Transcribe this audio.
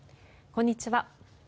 こんにちは。